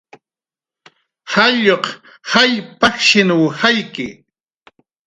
Jalluq jall pajshinw jallki